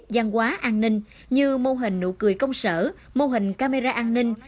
gian hóa an ninh như mô hình nụ cười công sở mô hình camera an ninh